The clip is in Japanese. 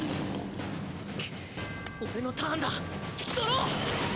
クッ俺のターンだドロー！